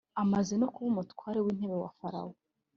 amaze no kuba umutware w’intebe wa farawo